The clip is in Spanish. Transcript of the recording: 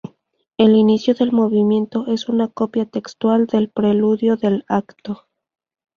El inicio del movimiento es una copia textual del preludio del acto.